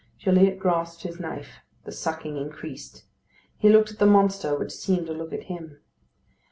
Gilliatt grasped his knife; the sucking increased. He looked at the monster, which seemed to look at him.